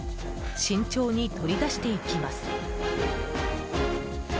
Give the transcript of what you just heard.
慎重に取り出していきます。